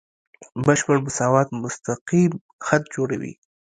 بشپړ مساوات مستقیم خط جوړوي.